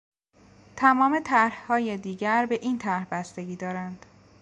تمام طرحهای دیگر به این طرح بستگی دارند.